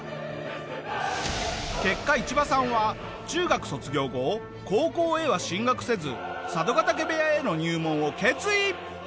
結果イチバさんは中学卒業後高校へは進学せず佐渡ケ嶽部屋への入門を決意！